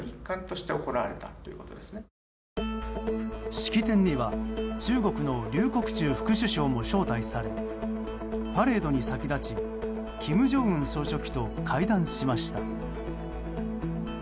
式典には、中国のリュウ・コクチュウ副首相も招待されパレードに先立ち金正恩総書記と会談しました。